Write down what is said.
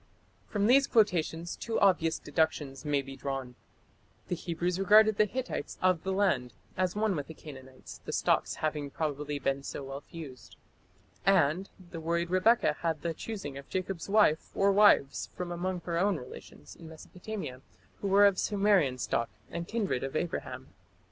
" From these quotations two obvious deductions may be drawn: the Hebrews regarded the Hittites "of the land" as one with the Canaanites, the stocks having probably been so well fused, and the worried Rebekah had the choosing of Jacob's wife or wives from among her own relations in Mesopotamia who were of Sumerian stock and kindred of Abraham.